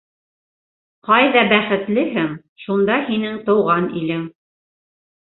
Ҡайҙа бәхетлеһең - шунда һинең тыуған илең.